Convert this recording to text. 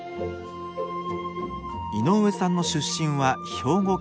井上さんの出身は兵庫県。